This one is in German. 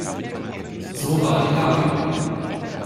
So war die Lage.